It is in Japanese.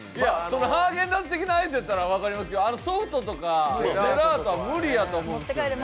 ハーゲンダッツ的なアイスだったら分かりますけどソフトとかジェラートは無理やと思うんですよね。